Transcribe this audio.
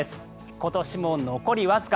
今年も残りわずか。